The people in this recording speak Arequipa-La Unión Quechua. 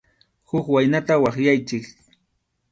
Huk waynata waqyaychik.